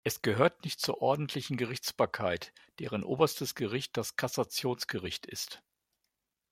Es gehört nicht zur ordentlichen Gerichtsbarkeit, deren oberstes Gericht das Kassationsgericht ist.